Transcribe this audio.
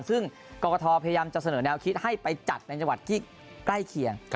ซึ่งกรกฐพยายามจะเสนอแนวคิดให้ไปจัดในจังหวัดที่ใกล้เคียง